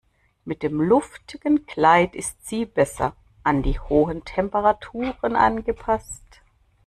Mit dem luftigen Kleid ist sie besser an die hohen Temperaturen angepasst.